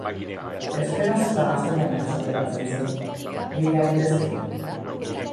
Euskaraz eta gaztelaniaz ateratzen zen, bi hilabetez behin.